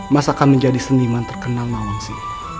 mas akan menjadi seniman terkenal mawangsi